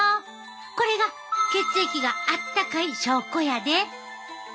これが血液があったかい証拠やで。